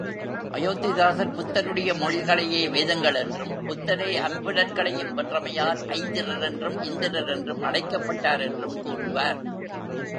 அயோத்திதாசர் புத்தருடைய மொழிகளே வேதங்களென்றும் புத்தரே ஐம்புலன்களையும் வென்றமையால் ஐந்திரர் என்றும் இந்திரர் என்றும் அழைக்கப்பட்டார் என்றும் கூறுவார்.